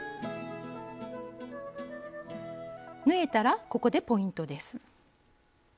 縫えたらここでポイントです。